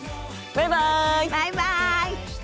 バイバイ！